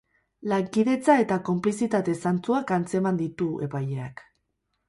Lankidetza eta konplizitate zantzuak atzeman ditu epaileak.